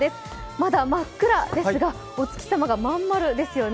まだ真っ暗ですがお月さまがまん丸ですよね。